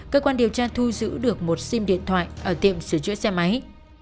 cơ quan điều tra thu giữ được một sim điện thoại ở tiệm sửa chữa xe máy